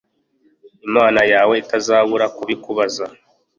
Imana yawe atazabura kubikubaza